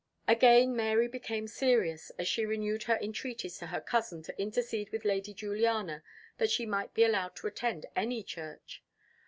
Again Mary became serious, as she renewed her entreaties to her cousin to intercede with Lady Juliana that she might be allowed to attend any church.